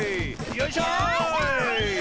よいしょ！